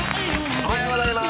おはようございます。